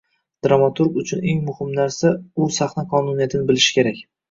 Dramaturg uchun eng muhim narsa, u sahna qonuniyatini bilishi kerak